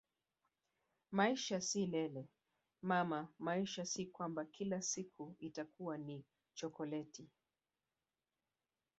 Maisha si lele mama maisha si kwamba kila siku itakuwa ni chokoleti